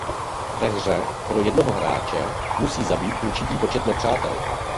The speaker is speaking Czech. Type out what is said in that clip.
Ve hře pro jednoho hráče musí zabít určitý počet nepřátel.